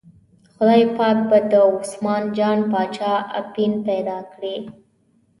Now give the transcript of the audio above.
خدای پاک به د عثمان جان باچا اپین پیدا کړي.